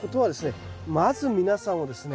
まず皆さんをですね